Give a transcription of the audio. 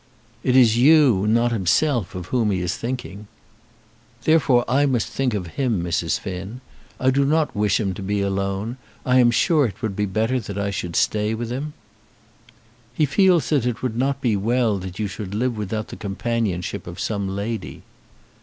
"It is you, not himself, of whom he is thinking." "Therefore I must think of him, Mrs. Finn. I do not wish him to be alone. I am sure it would be better that I should stay with him." "He feels that it would not be well that you should live without the companionship of some lady."